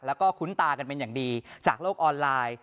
แล้วก็คุ้นตากันเป็นอย่างดีจากโลกออนไลน์